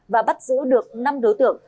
và bắt giữ được năm đối tượng